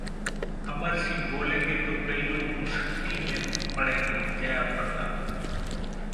अमर सिंह बोलेंगे तो कई लोग मुश्किल में पड़ेंगेः जयाप्रदा